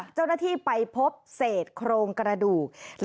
เจ้าหน้าที่ไปพบเศษโครงกระดูก